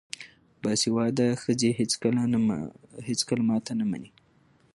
باسواده ښځې هیڅکله ماتې نه مني.